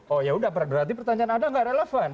oh ya berarti pertanyaan anda tidak relevan